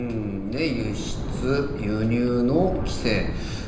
輸出・輸入の規制。